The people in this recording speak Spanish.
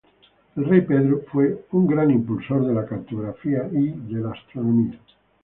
El rey Pedro fue un gran impulsor de la cartografía y de la astronomía.